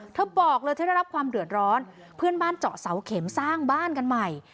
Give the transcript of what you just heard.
บอกเลยเธอได้รับความเดือดร้อนเพื่อนบ้านเจาะเสาเข็มสร้างบ้านกันใหม่